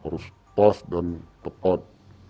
harus pas dan tepat